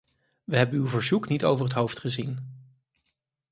Wij hebben uw verzoek niet over het hoofd gezien.